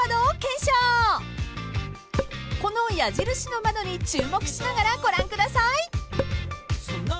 ［この矢印の窓に注目しながらご覧ください］